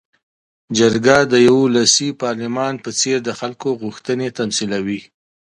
جرګه د یوه ولسي پارلمان په څېر د خلکو غوښتنې تمثیلوي.